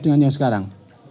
dengan yang sekarang